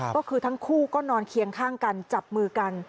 ก็คือทั้งคู่ก็นอนเคียงข้างกันจับมือกัน